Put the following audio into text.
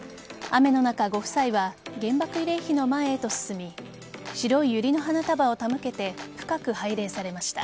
雨の中、ご夫妻は原爆慰霊碑の前へと進み白いユリの花束を手向けて深く拝礼されました。